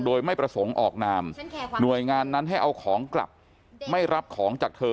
โดยไม่ประสงค์ออกนามหน่วยงานนั้นให้เอาของกลับไม่รับของจากเธอ